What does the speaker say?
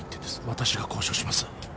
私が交渉します